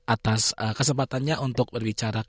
atas kesempatannya untuk berbicara